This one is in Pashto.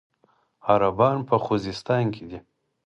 عربان په خوزستان کې دي.